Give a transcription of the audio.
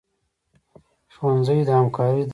ښوونځی د همکارۍ درس ورکوي